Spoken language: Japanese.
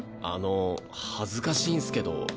あの恥ずかしいんすけど。